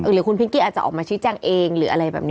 หรือคุณพิงกี้อาจจะออกมาชี้แจงเองหรืออะไรแบบนี้